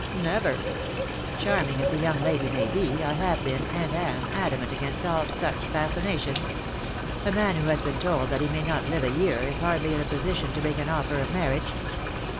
" Never. Charming as the young lady may be, I have been, and am, adamant against all such fascina tious. A man who has been told that he may not *'WHO KNOWS NOT CIRCE?" 271 live a year is hardly in a position to make an offer of marriage.